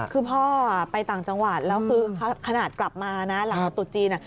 คือพ่อไปต่างจังหวัดแล้วคือขนาดกลับมานะหลังตุดจีน